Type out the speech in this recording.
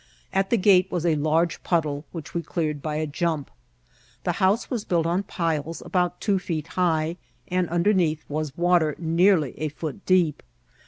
At the gate was a large puddle, which we cleared by a jump ; the house was built on piles about two feet high, and underneath was water nearly a foot deep.